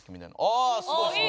ああすごいすごい！